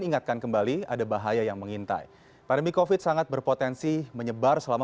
ingatkan kembali ada bahaya yang mengintai pandemi covid sangat berpotensi menyebar selama